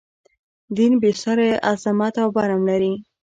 دین بې ساری عظمت او برم لري.